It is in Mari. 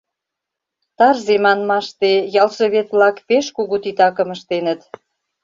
Тарзе манмаште ялсовет-влак пеш кугу титакым ыштеныт.